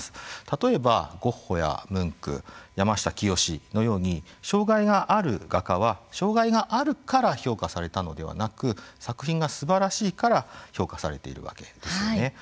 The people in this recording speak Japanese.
例えば、ゴッホやムンク山下清のように障害がある画家は障害があるから評価されたのではなく作品がすばらしいから評価されているわけですよね。